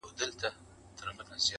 د دې خوب تعبير يې ورکه شیخ صاحبه,